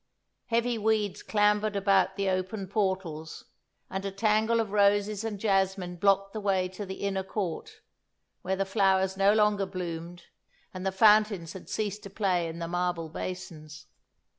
Heavy weeds clambered about the open portals and a tangle of roses and jasmine blocked the way to the inner court, where the flowers no longer bloomed and the fountains had ceased to play in the marble basins.